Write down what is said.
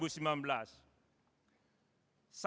saya berharap hal ini dapat dipertahankan